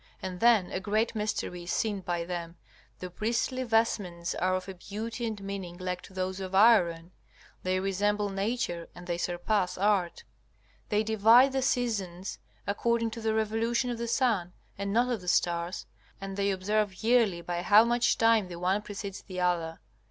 And then a great mystery is seen by them. The priestly vestments are of a beauty and meaning like to those of Aaron. They resemble nature and they surpass Art. They divide the seasons according to the revolution of the sun, and not of the stars, and they observe yearly by how much time the one precedes the other.